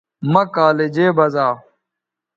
مہ کالجے بزا